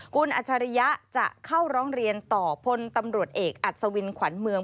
คุณอัจฉริยะจะเข้าร้องเรียนต่อพลตำรวจเอกอัศวินขวัญเมือง